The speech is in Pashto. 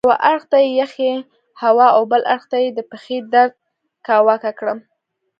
یوه اړخ ته یخې هوا او بل اړخ ته د پښې درد کاواکه کړم.